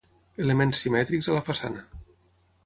Elements simètrics a la façana.